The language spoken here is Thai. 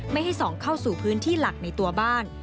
ไม่ให้ส่องเข้าสู่พื้นที่หลักในตัวบ้าน